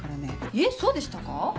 えっそうでしたか？